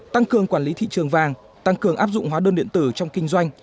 tăng cường quản lý thị trường vàng tăng cường áp dụng hóa đơn điện tử trong kinh doanh